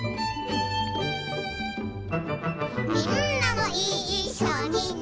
「みんなもいっしょにね」